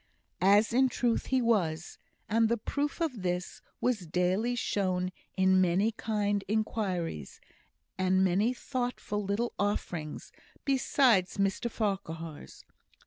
As in truth he was; and the proof of this was daily shown in many kind inquiries, and many thoughtful little offerings, besides Mr Farquhar's.